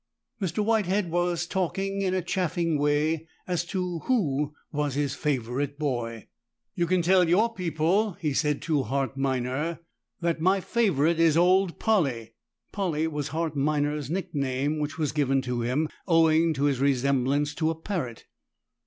Mr. Whitehead was talking in a chaffing way as to who was his favourite boy. "You can tell your people," he said to Hart Minor, "that my favourite is old Polly." Polly was Hart Minor's nickname, which was given to him owing to his resemblance to a parrot.